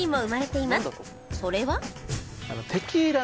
それは？